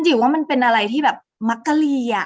ว่ามันเป็นอะไรที่แบบมักกะลีอ่ะ